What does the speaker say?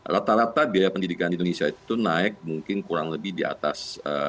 rata rata biaya pendidikan di indonesia itu naik mungkin kurang lebih di atas